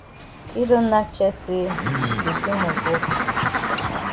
Yi don nack chest say de tin must wok.